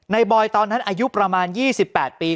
บอยตอนนั้นอายุประมาณ๒๘ปี